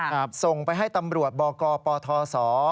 ส่งไปให้ตำรวจบกปทศ